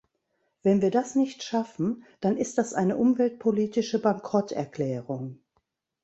Wenn wir das nicht schaffen, dann ist das eine umweltpolitische Bankrotterklärung.